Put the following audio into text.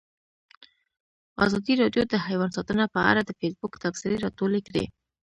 ازادي راډیو د حیوان ساتنه په اړه د فیسبوک تبصرې راټولې کړي.